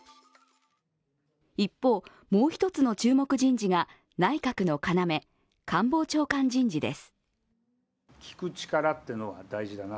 一方、もう一つの注目人事が内閣の要、官房長官人事です。